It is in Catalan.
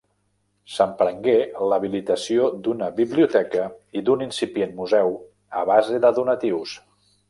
S'emprengué l'habilitació d'una biblioteca i d'un incipient museu, a base de donatius.